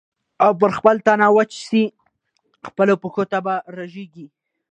او پر خپله تنه وچ سې خپلو پښو ته به رژېږې